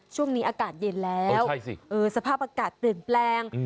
ช่วงนี้อากาศเย็นแล้วสภาพอากาศเปลี่ยนแปลง